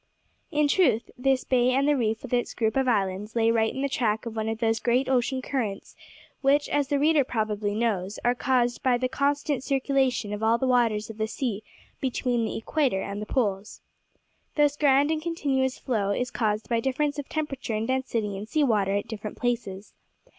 In truth, this bay and the reef with its group of islands lay right in the track of one of those great ocean currents which, as the reader probably knows, are caused by the constant circulation of all the waters of the sea between the equator and the poles. This grand and continuous flow is caused by difference of temperature and density in sea water at different places.